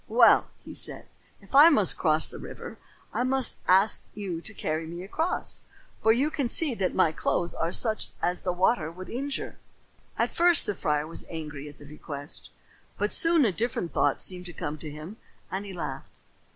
"Well," he said, "if I must cross the river, I must ask you to carry me across, for you can see that my clothes are such as the water would injure." At first the friar was angry at the request, but soon a different thought seemed to come to him and he laughed.